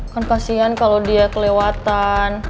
kan kasian kalau dia kelewatan